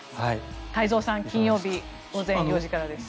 太蔵さん、金曜日午前４時からです。